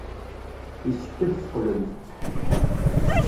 Yessefk ad teqqlemt.